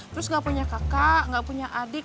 terus gak punya kakak gak punya adik